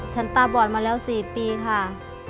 ตาบอดมาแล้ว๔ปีค่ะ